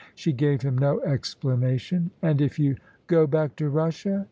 She gave him no explanation. "And if you go back to Russia?"